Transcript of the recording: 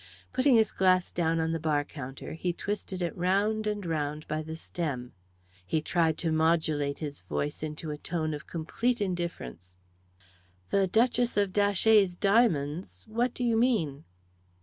Putting his glass down on the bar counter, he twisted it round and round by the stem. He tried to modulate his voice into a tone of complete indifference. "The Duchess of Datchet's diamonds? What do you mean?"